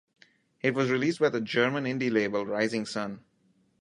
It was released by the German indie label Rising Sun.